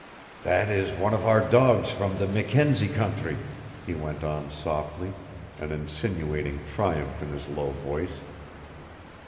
"That is one of our dogs from the Mackenzie country," he went on softly, an insinuating triumph in his low voice.